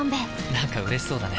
なんかうれしそうだね。